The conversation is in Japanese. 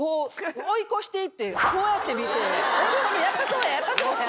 追い越していってこうやって見ておるおるやっぱそうややっぱそうや！